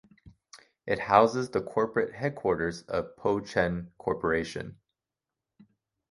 It houses the corporate headquarters of Pou Chen Corporation.